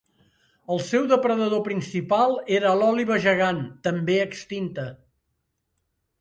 El seu depredador principal era l'òliba gegant, també extinta.